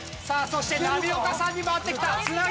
さあそして波岡さんに回ってきた。